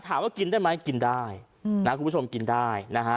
ถามว่ากินได้ไหมกินได้นะคุณผู้ชมกินได้นะฮะ